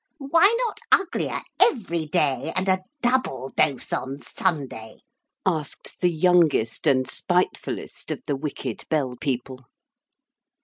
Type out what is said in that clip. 'Why not uglier every day, and a double dose on Sunday?' asked the youngest and spitefullest of the wicked Bell people.